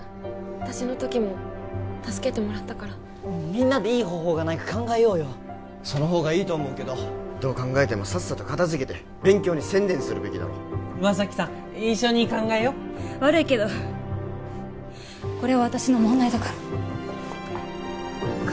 私の時も助けてもらったからみんなでいい方法がないか考えようよその方がいいと思うけどどう考えてもさっさと片づけて勉強に専念するべきだろ岩崎さん一緒に考えよう悪いけどこれは私の問題だから楓？